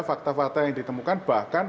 fakta fakta yang ditemukan bahkan